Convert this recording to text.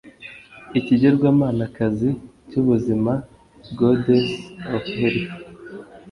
ikigirwamanakazi cy’ ubuzima (goddess of health)